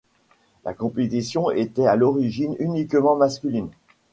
La compétition était à l'origine uniquement masculine.